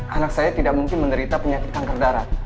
anak saya tidak mungkin menderita penyakit kanker darah